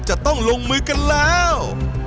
จะต้องลงมือกันแล้ว